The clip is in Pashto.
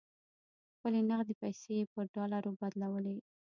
خپلې نغدې پیسې یې پر ډالرو بدلولې.